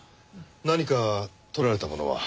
何か盗られたものは？